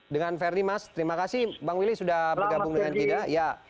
dengan ferdi mas terima kasih bang willy sudah bergabung dengan kita